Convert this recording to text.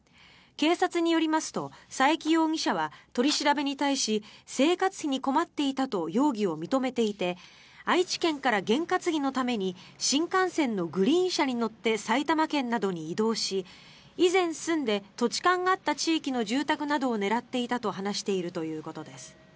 警察によりますと佐伯容疑者は取り調べに対し生活費に困っていたと容疑を認めていて愛知県からげん担ぎのために新幹線のグリーン車に乗って埼玉県などに移動し以前住んで土地勘があった地域の住宅などを狙っていたと話しているということです。